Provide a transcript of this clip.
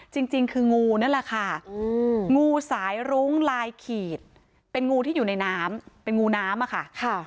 จริงคืองูนั่นแหละค่ะงูสายรุ้งลายขีดเป็นงูที่อยู่ในน้ำเป็นงูน้ำอะค่ะ